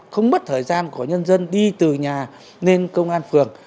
không mất thời gian của nhân dân đi từ nhà lên công an phường